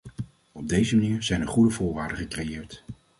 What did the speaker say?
Op deze manier zijn er goede voorwaarden gecreëerd.